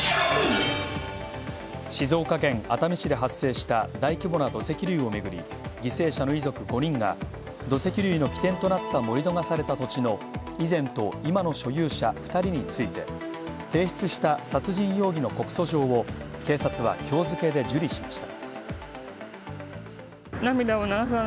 静岡県熱海市で発生した大規模な土石流をめぐり犠牲者の遺族５人が土石流の起点となった盛り土がされた土地の以前と今の所有者２人について提出した殺人容疑の告訴状を警察は今日付で受理しました。